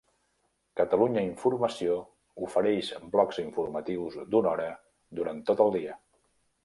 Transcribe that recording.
Catalunya Informació ofereix blocs informatius d'una hora durant tot el dia.